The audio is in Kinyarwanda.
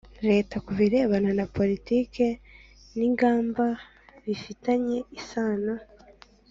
Leta ku birebana na politiki n ingamba bifitanye isano